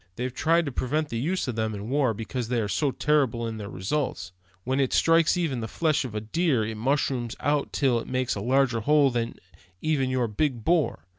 They've tried to prevent the use of them in war, because they are so terrible in their results. When it strikes even the flesh of a deer, it mushrooms out till it makes a larger hole even than your big bore.